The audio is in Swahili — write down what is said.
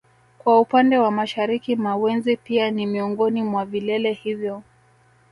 Kwa upande wa mashariki Mawenzi pia ni miongoni mwa vilele hivyo